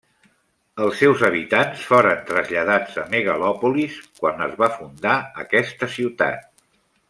Els seus habitants foren traslladats a Megalòpolis quan es va fundar aquesta ciutat.